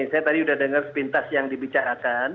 saya tadi udah dengar sepintas yang dibicarakan